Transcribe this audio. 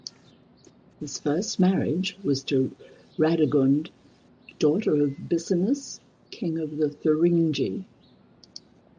His first marriage was to Radegund, daughter of Bisinus, King of the Thuringi.